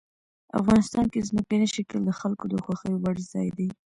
افغانستان کې ځمکنی شکل د خلکو د خوښې وړ ځای دی.